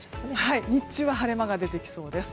日中は晴れ間が出てきそうです。